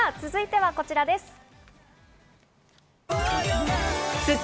続いてはこちらです。